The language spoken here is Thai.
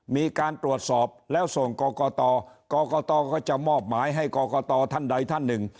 มีการตรวจสอบแล้วส่งกรกตกรกตก็จะมอบหมายให้กรกตท่านใดท่านหนึ่ง